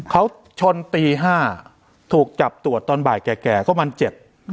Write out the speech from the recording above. เขาชนตีห้าถูกจับตรวจตอนบ่ายแก่แก่ก็มันเจ็บ